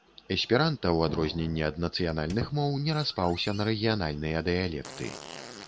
Эсперанта, у адрозненне ад нацыянальных моў, не распаўся на рэгіянальныя дыялекты.